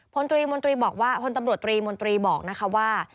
พลตำรวจตรีมนตรีบอกนะคะว่า